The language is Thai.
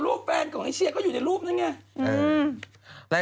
รูปแฟนของเชียร์ก็อยู่ในรูปนั้นนี่